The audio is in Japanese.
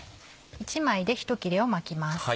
１枚で１切れを巻きます。